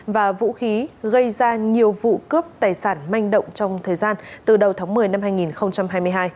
và vũ khí gây ra nhiều vụ cướp tài sản manh động trong thời gian từ đầu tháng một mươi năm hai nghìn hai mươi hai